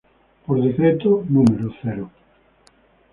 Por Decreto No.